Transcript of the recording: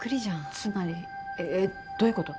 つまりえどういうこと？